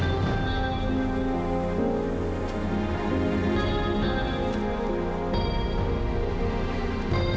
aku mau pergi